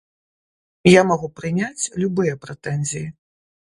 Я магу прыняць любыя прэтэнзіі.